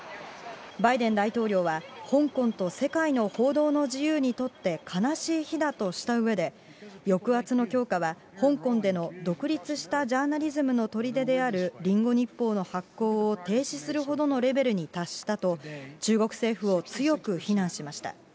バイデン大統領は、香港と世界の報道の自由にとって悲しい日だとしたうえで、抑圧の強化は香港での独立したジャーナリズムのとりでであるリンゴ日報の発行を停止するほどのレベルに達したと、中国政府を強く非難しました。